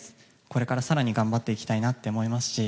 これから更に頑張っていきたいなって思いますし